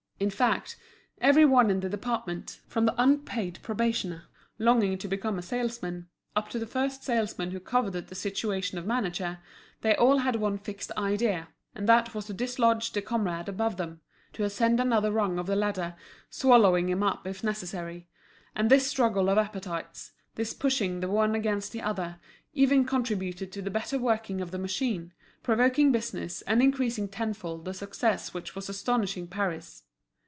In fact, every one in the department, from the unpaid probationer, longing to become a salesman, up to the first salesman who coveted the situation of manager, they all had one fixed idea, and that was to dislodge the comrade above them, to ascend another rung of the ladder, swallowing him up if necessary; and this struggle of appetites, this pushing the one against the other, even contributed to the better working of the machine, provoking business and increasing tenfold the success which was astonishing Paris.